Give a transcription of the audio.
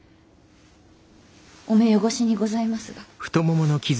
お目汚しにございますが。